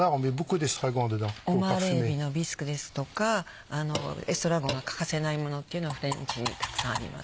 オマールエビのビスクですとかエストラゴンが欠かせないものっていうのがフレンチにたくさんあります。